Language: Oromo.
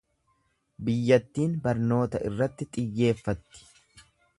Biyyattiin barnoota irratti xiyyeeffatti.